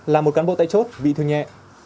làm một cán bộ tay chốt bị thương nhẹ